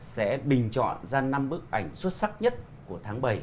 sẽ bình chọn ra năm bức ảnh xuất sắc nhất của tháng bảy